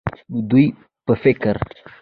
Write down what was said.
نو د دوي په فکر